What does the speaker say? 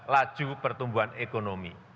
laju pertumbuhan ekonomi